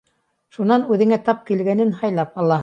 Шунан үҙеңә тап килгәнен һайлап алаһың.